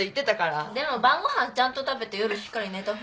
でも晩ご飯ちゃんと食べて夜しっかり寝た方が